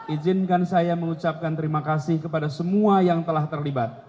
izinkan saya mengucapkan terima kasih kepada semua yang telah terlibat